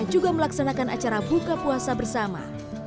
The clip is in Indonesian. juga melaksanakan acara buka puasa bersama